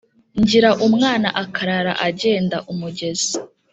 Ngira umwana akarara agenda.-Umugezi